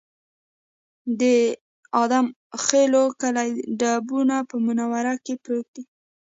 د ادم خېلو کلی ډبونه په منوره کې پروت دی